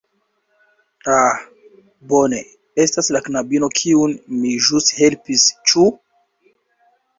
Ah, bone, estas la knabino kiun mi ĵus helpis, ĉu?